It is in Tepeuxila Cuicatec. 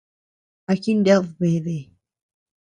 ¿A jined beade?